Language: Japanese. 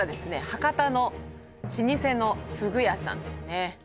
博多の老舗のふぐ屋さんですね